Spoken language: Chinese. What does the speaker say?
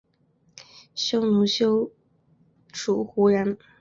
匈奴休屠胡人。